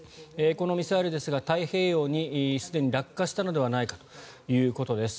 このミサイルですが太平洋にすでに落下したのではないかということです。